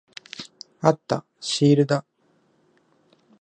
あった。シールだ。